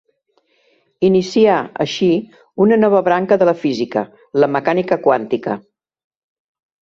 Inicià, així, una nova branca de la física, la mecànica quàntica.